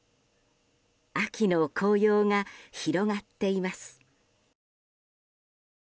秋の紅葉が広がっています。